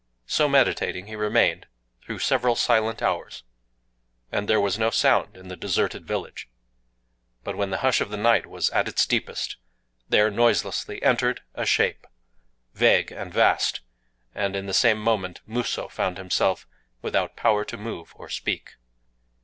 So meditating he remained through several silent hours; and there was no sound in the deserted village. But, when the hush of the night was at its deepest, there noiselessly entered a Shape, vague and vast; and in the same moment Musō found himself without power to move or speak.